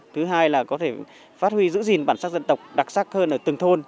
thứ hai là có thể phát huy giữ gìn bản sắc dân tộc đặc sắc hơn ở từng thôn